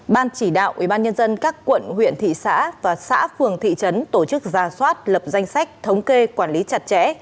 ban chỉ đạo ubnd các quận huyện thị xã và xã phường thị trấn tổ chức ra soát lập danh sách thống kê quản lý chặt chẽ